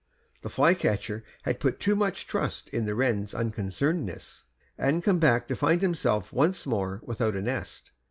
The flycatcher had put too much trust in the wren's unconcernedness, and came back to find himself once more without a nest.